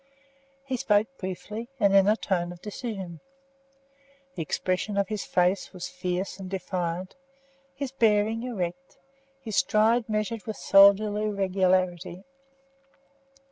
He spoke briefly, and in a tone of decision. The expression of his face was fierce and defiant, his bearing erect, his stride measured with soldierly regularity.